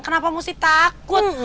kenapa mesti takut